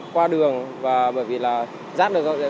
qua đường và bởi vì là rác